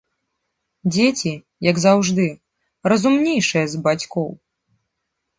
Дзеці, як заўжды, разумнейшыя за бацькоў.